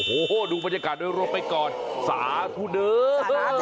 โอ้โหดูบรรยากาศโดยรวมไปก่อนสาธุเดอร์